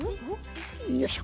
よいしょ。